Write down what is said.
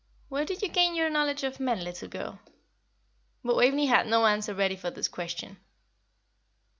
"Where did you gain your knowledge of men, little girl?" But Waveney had no answer ready for this question.